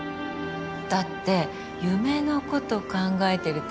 だって夢のこと考えてる時って